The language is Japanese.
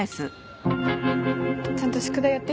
ちゃんと宿題やってきた？